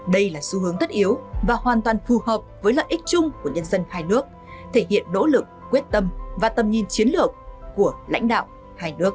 đây là xu hướng tất yếu và hoàn toàn phù hợp với lợi ích chung của nhân dân hai nước thể hiện nỗ lực quyết tâm và tầm nhìn chiến lược của lãnh đạo hai nước